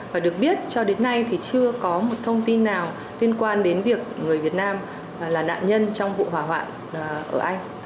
và được biết cho đến nay thì chưa có một thông tin nào liên quan đến việc người việt nam là nạn nhân trong vụ hỏa hoạn ở anh